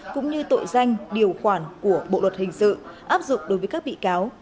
cũng như tội danh điều khoản của bộ luật hình sự áp dụng đối với các bị cáo